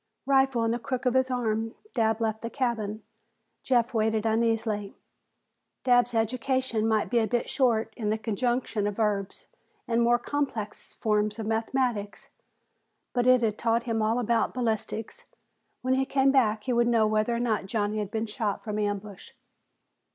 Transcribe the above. Rifle in the crook of his arm, Dabb left the cabin. Jeff waited uneasily. Dabb's education might be a bit short in the conjugation of verbs and the more complex forms of mathematics, but it had taught him all about ballistics. When he came back he would know whether or not Johnny had been shot from ambush.